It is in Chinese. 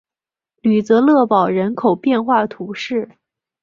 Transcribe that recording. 吕泽勒堡人口变化图示